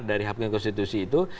dari hakim konstitusi itu